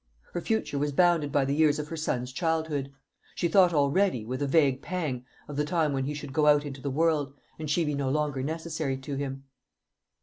Her future was bounded by the years of her son's childhood. She thought already, with a vague pang, of the time when he should go out into the world, and she be no longer necessary to him.